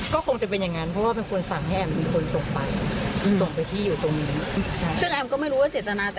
ก็คงจะเป็นอย่างนั้น